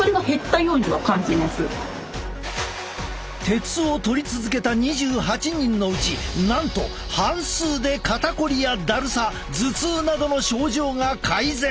鉄をとり続けた２８人のうちなんと半数で肩こりやだるさ頭痛などの症状が改善！